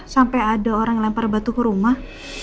sampai ada orang lempar batu ke rumah